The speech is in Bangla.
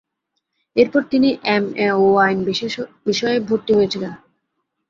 এরপর তিনি এমএ ও আইন বিষয়ে ভর্তি হয়েছিলেন।